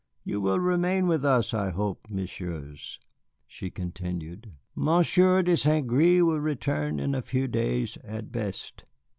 You will remain with us, I hope, Messieurs," she continued. "Monsieur de Saint Gré will return in a few days at best."